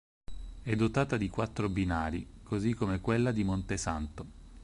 È dotata di quattro binari, così come quella di Montesanto.